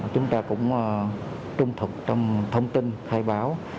chúng ta cũng trung thực trong thông tin khai báo